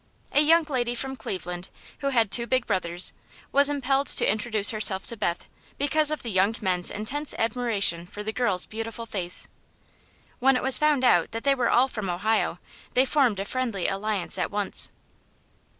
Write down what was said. A young lady from Cleveland, who had two big brothers, was impelled to introduce herself to Beth because of the young men's intense admiration for the girl's beautiful face. When it was found that they were all from Ohio, they formed a friendly alliance at once.